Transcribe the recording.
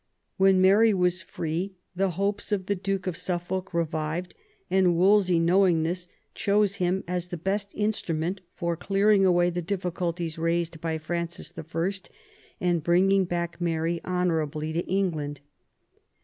When Mary was free the hopes of the Duke of Suffolk revived, and Wolsey knowing this, chose him as the best instrument for clearing away the diffi culties raised by Francis I., and bringing back Mary honourably to England.